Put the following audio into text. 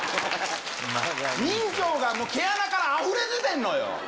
任きょうが毛穴からあふれ出てるのよ。